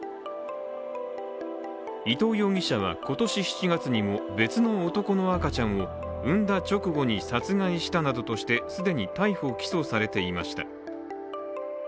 伊藤容疑者は今年７月にも別の男の赤ちゃんを産んだ直後に殺害したなどとして既に逮捕・起訴されていました。